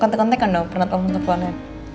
kontek kontekan dong pernah tonton depannya